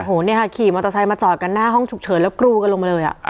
โอ้โหเนี่ยค่ะขี่มอเตอร์ไซค์มาจอดกันหน้าห้องฉุกเฉินแล้วกรูกันลงมาเลย